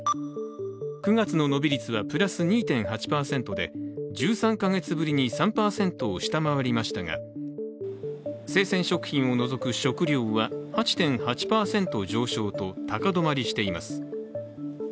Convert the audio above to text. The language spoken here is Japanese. ９月の伸び率はプラス２．８％で１３か月ぶりに３％を下回りましたが生鮮食品を除く食料は８．８％上昇と高止まりしています。